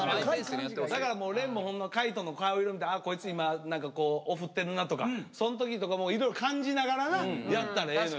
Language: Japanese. だからもう廉も海人の顔色見て「あこいつ今オフってるな」とかその時とかもいろいろ感じながらなやったらええのよ。